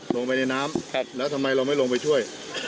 ลงไปในน้ำแล้วทำไมเราไม่ลงไปช่วย